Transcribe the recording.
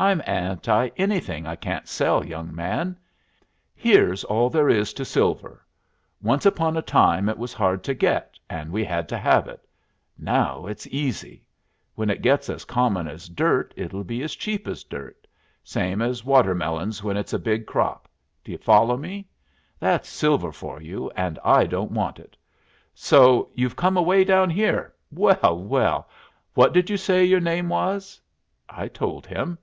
"I'm anti anything I can't sell, young man. Here's all there is to silver: Once upon a time it was hard to get, and we had to have it. Now it's easy. When it gets as common as dirt it'll be as cheap as dirt. Same as watermelons when it's a big crop. D'you follow me? That's silver for you, and I don't want it. So you've come away down here. Well, well! What did you say your name was?" I told him.